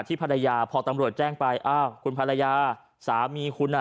ภรรยาพอตำรวจแจ้งไปอ้าวคุณภรรยาสามีคุณอ่ะ